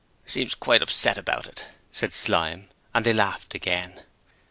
'Seemed quite upset about it,' said Slyme; and they laughed again.